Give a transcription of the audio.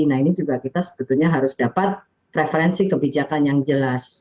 nah ini juga kita sebetulnya harus dapat preferensi kebijakan yang jelas